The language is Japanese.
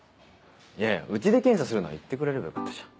いやうちで検査するなら言ってくれればよかったじゃん。